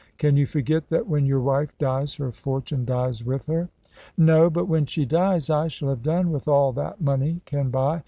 Can you forget that when your wife dies her fortune dies with her?" "No. But when she dies, I shall have done with all that money can buy.